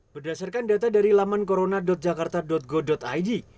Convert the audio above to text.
berdasarkan data dari laman corona jakarta go id